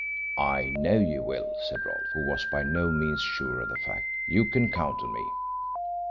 "I know you will," said Rolfe, who was by no means sure of the fact. "You can count on me."